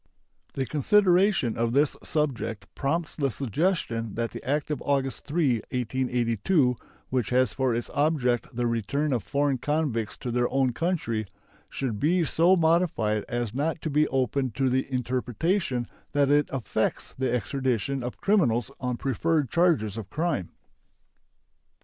The consideration of this subject prompts the suggestion that the act of August 3, 1882, which has for its object the return of foreign convicts to their own country, should be so modified as not to be open to the interpretation that it affects the extradition of criminals on preferred charges of crime.